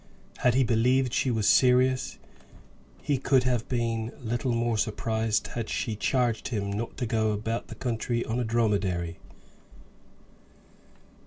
Had he believed she was serious, he could have been little more surprised had she charged him not to go about the country on a dromedary.